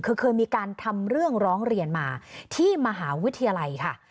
คือเคยมีการทำเรื่องร้องเรียนมาที่มหาวิทยาลัยค่ะ